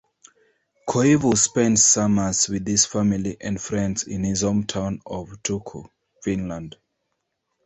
Koivu spends summers with his family and friends in his hometown of Turku, Finland.